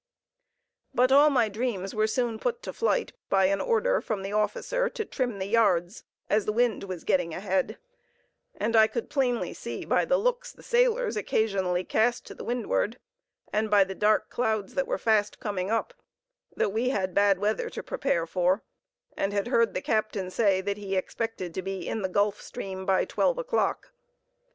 But all my dreams were soon put to flight by an order from the officer to trim the yards, as the wind was getting ahead; and I could plainly see by the looks the sailors occasionally cast to windward, and by the dark clouds that were fast coming up, that we had bad weather to prepare for, and had heard the captain say that he expected to be in the Gulf Stream by twelve o'clock.